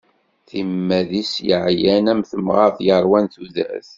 Timmad-is yeɛyan am temɣart yeṛwan tudert.